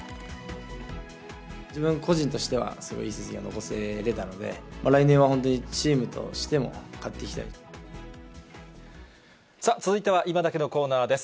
自分個人としては、すごいいい成績が残せれたので、来年は本当に、チームとしても勝続いては、いまダケッのコーナーです。